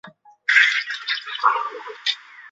可观察出这种文法没有左递归。